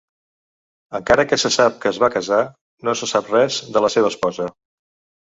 Encara que se sap que es va casar, no se sap res de la seva esposa.